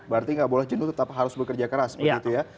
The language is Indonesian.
berarti nggak boleh jenuh tetap harus bekerja keras begitu ya